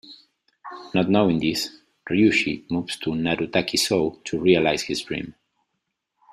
Not knowing this, Ryushi moves to Narutaki-Sou to realize his dream.